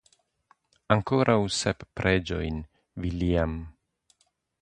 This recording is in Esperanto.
Ankoraŭ sep preĝojn, viljam!